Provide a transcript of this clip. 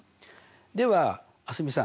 では蒼澄さん。